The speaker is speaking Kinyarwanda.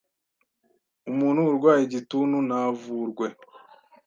Umuntu urwaye igituntu ntavurwe